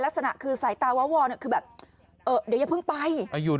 ลักษณะคือสายตาวรคือแบบเดี๋ยวอย่าเพิ่งไป